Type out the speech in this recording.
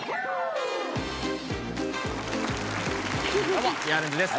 どうもヤーレンズです